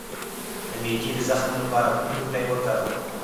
د معدې د زخم لپاره کوم بوټی وکاروم؟